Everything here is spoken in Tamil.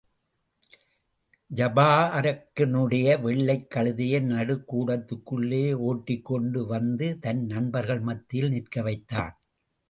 ஜபாரக்கினுடைய வெள்ளைக் கழுதையை நடுக் கூடத்துக்குள்ளே ஓட்டிக் கொண்டு வந்து, தன் நண்பர்கள் மத்தியிலே நிற்க வைத்தான்.